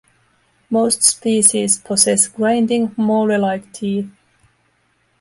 Most species possess grinding, molar-like teeth.